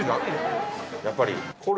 やっぱり。